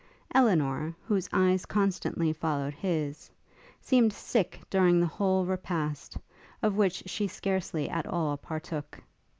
Elinor, whose eyes constantly followed his, seemed sick during the whole repast, of which she scarcely at all partook.